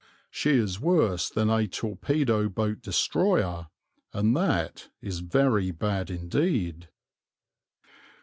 She is worse than a torpedo boat destroyer, and that is very bad indeed.